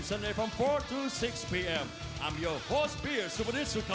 สวัสดีครับขอต้อนรับคุณผู้ชมนุกท่านนะครับเข้าสู่การรักษาสดีครับ